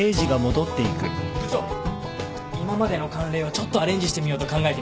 部長今までの慣例をちょっとアレンジしてみようと考えてみました。